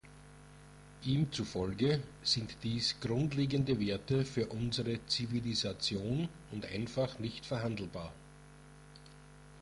Ihm zufolge sind dies grundlegende Werte für unsere Zivilisation und einfach nicht verhandelbar.